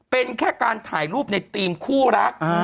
เป็นแค่การถ่ายรูปในธีมคู่รัก